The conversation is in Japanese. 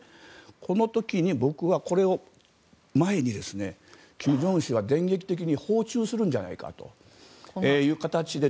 この時に僕は、この前に電撃的に訪中するんじゃないかという形で。